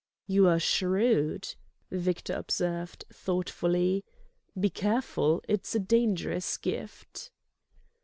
"You are shrewd," Victor observed, thoughtfully. "Be careful: it is a dangerous gift."